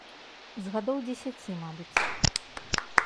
З гадоў дзесяці, мабыць.